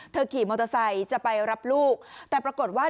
ขี่มอเตอร์ไซค์จะไปรับลูกแต่ปรากฏว่า